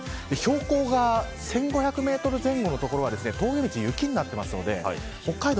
標高が１５００メートル前後の所は峠道、雪になっているので北海道